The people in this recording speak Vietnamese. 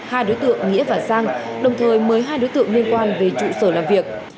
hai đối tượng nghĩa và sang đồng thời mới hai đối tượng liên quan về trụ sở làm việc